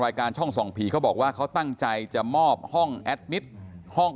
ช่องส่องผีเขาบอกว่าเขาตั้งใจจะมอบห้องแอดมิตรห้อง